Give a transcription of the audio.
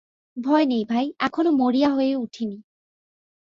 ভয় নেই ভাই, এখনো মরিয়া হয়ে উঠি নি।